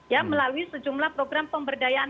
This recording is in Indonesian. ya melalui sejumlah program pemberdayaan